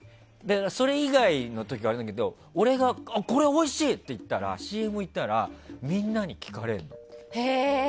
それ以外の時は俺は、これおいしい！って言ったらＣＭいったらみんなに聞かれるの。